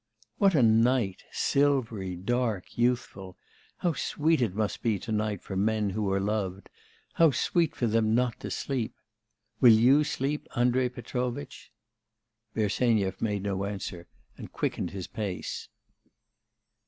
'What a night! silvery, dark, youthful! How sweet it must be to night for men who are loved! How sweet for them not to sleep! Will you sleep, Andrei Petrovitch?' Bersenyev made no answer, and quickened his pace.